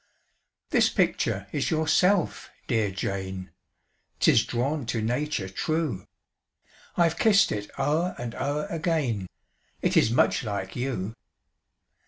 "This picture is yourself, dear Jane 'Tis drawn to nature true: I've kissed it o'er and o'er again, It is much like you."